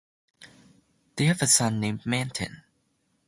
They have a son named Manton.